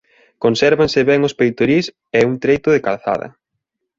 Consérvanse ben os peitorís e un treito de calzada.